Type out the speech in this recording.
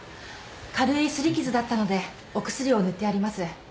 軽い擦り傷だったのでお薬を塗ってあります。